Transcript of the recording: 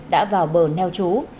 đã vào bờ neo chú